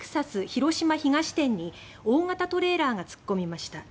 広島東店に大型トレーラーが突っ込みました。